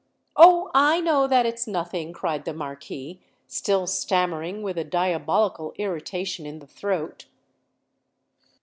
"Oh! I know that it's nothing," cried the Marquis, still stammering with a diabolical irritation in the throat.